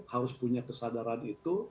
harus punya kesadaran itu